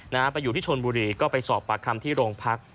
นะฮะไปอยู่ที่ชนบุรีก็ไปสอบปากคำที่โรงพัก